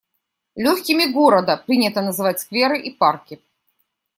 «Лёгкими города» принято называть скверы и парки.